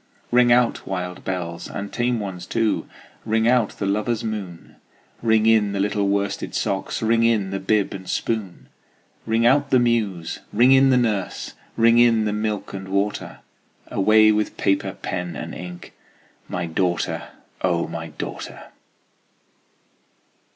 Ring out, wild bells, and tame ones too! Ring out the lover's moon! Ring in the little worsted socks! Ring in the bib and spoon! Ring out the muse! ring in the nurse! Ring in the milk and water! Away with paper, pen, and ink My daughter, O my daughter!